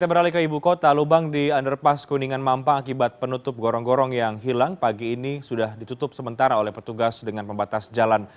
kita beralih ke ibu kota lubang di underpas kuningan mampang akibat penutup gorong gorong yang hilang pagi ini sudah ditutup sementara oleh petugas dengan pembatas jalan